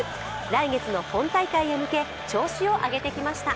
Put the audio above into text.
来月の本大会へ向け、調子を上げてきました。